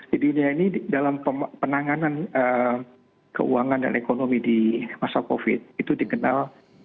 di dunia ini dalam penanganan keuangan dan ekonomi di masa covid itu dikenal